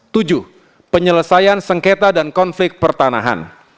tujuh penyelesaian sengketa dan konflik pertanahan